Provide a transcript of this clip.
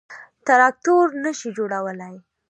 تراکتور نه شي جوړولای.